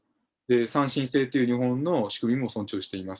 三審制という日本の仕組みも尊重しています。